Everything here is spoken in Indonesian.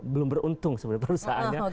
belum beruntung sebenarnya perusahaannya